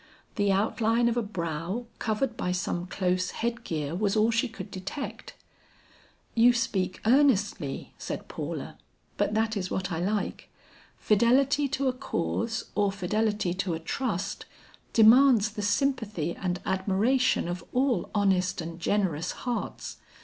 The outline of a brow covered by some close headgear was all she could detect. "You speak earnestly," said Paula, "but that is what I like. Fidelity to a cause, or fidelity to a trust, demands the sympathy and admiration of all honest and generous hearts.